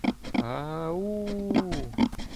— А-а-у-у-у!